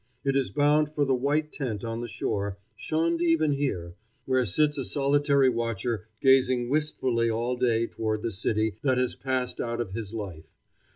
It is bound for the white tent on the shore, shunned even here, where sits a solitary watcher gazing wistfully all day toward the city that has passed out of his life.